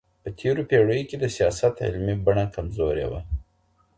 په تېرو پېړيو کي د سياست علمي بڼه کمزورې وه.